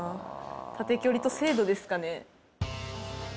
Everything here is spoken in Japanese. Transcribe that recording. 縦距離と精度ですかね。